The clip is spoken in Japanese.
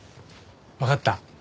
わかった。